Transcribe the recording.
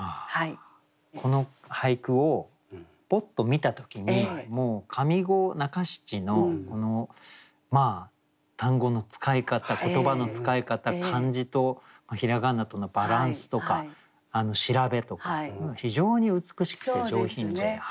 この俳句をポッと見た時にもう上五中七の単語の使い方言葉の使い方漢字と平仮名とのバランスとか調べとか非常に美しくて上品で。